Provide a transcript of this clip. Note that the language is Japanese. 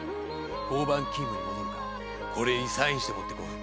交番勤務に戻るかこれにサインして持ってこい。